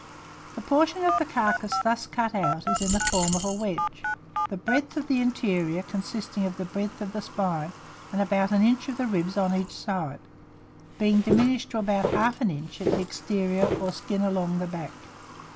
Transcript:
The portion of the carcass thus cut out is in the form of a wedge the breadth of the interior consisting of the breadth of the spine, and about an inch of the ribs on each side, being diminished to about half an inch at the exterior or skin along the back.